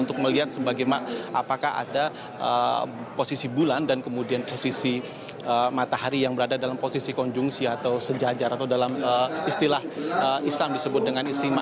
untuk melihat apakah ada posisi bulan dan kemudian posisi matahari yang berada dalam posisi konjungsi atau sejajar atau dalam istilah islam disebut dengan istimewa